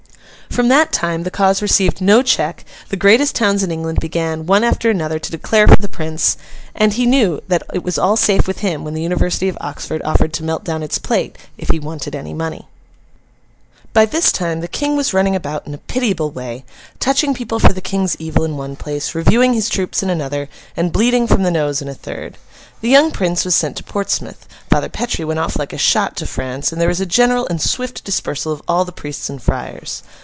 From that time, the cause received no check; the greatest towns in England began, one after another, to declare for the Prince; and he knew that it was all safe with him when the University of Oxford offered to melt down its plate, if he wanted any money. By this time the King was running about in a pitiable way, touching people for the King's evil in one place, reviewing his troops in another, and bleeding from the nose in a third. The young Prince was sent to Portsmouth, Father Petre went off like a shot to France, and there was a general and swift dispersal of all the priests and friars.